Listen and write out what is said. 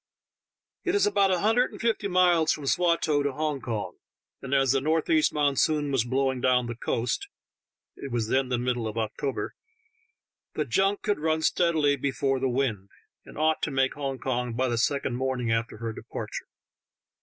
It is about a hun dred and fifty miles from Swatow to Hong Kong, and as the northeast monsoon was blowing down the coast — it was then the middle of October — the junk could run steadily before the wind, and ought to make Hong Kong by the second morn ing after her departure.